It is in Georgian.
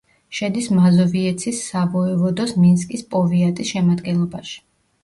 შედის მაზოვიეცის სავოევოდოს მინსკის პოვიატის შემადგენლობაში.